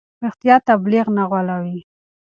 رښتیا تبلیغ نه غولوي.